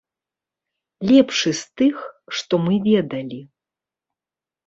Лепшы з тых, што мы ведалі.